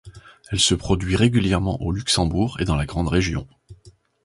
Elle se produit régulièrement au Luxembourg et dans la Grande Région.